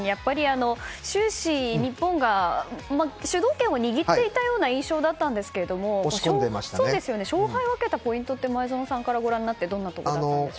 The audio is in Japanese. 終始、日本が主導権を握っていたような印象だったんですけど勝敗を分けたポイントって前園さんからご覧になってどんなところだったでしょうか。